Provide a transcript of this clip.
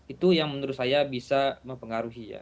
itu yang menurut saya bisa mempengaruhinya